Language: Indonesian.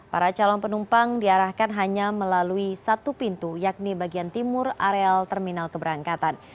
para calon penumpang diarahkan hanya melalui satu pintu yakni bagian timur areal terminal keberangkatan